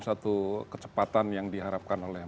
satu kecepatan yang diharapkan oleh